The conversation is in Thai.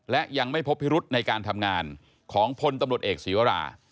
และยังไม่พบฮิรุตในการทำงานของพตอศิวรา